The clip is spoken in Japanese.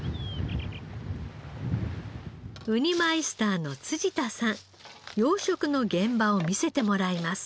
ウニマイスターの辻田さん養殖の現場を見せてもらいます。